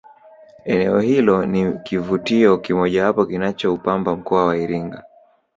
eneo hilo ni kivutio kimojawapo kinachoupamba mkoa wa iringa